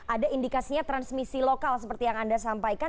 ada indikasinya transmisi lokal seperti yang anda sampaikan